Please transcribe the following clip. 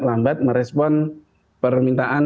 lambat merespon permintaan